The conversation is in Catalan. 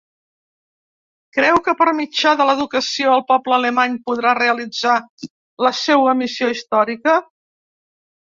Creu que per mitjà de l'educació el poble alemany podrà realitzar la seua missió històrica.